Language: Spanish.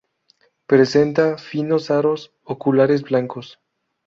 Presenta finos aros oculares blancos.